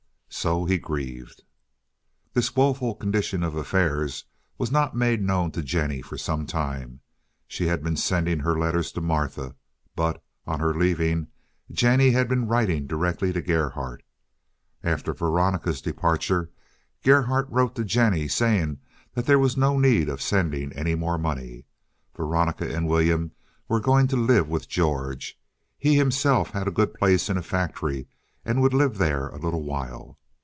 So he grieved. This woeful condition of affairs was not made known to Jennie for some time. She had been sending her letters to Martha, but, on her leaving, Jennie had been writing directly to Gerhardt. After Veronica's departure Gerhardt wrote to Jennie saying that there was no need of sending any more money. Veronica and William were going to live with George. He himself had a good place in a factory, and would live there a little while.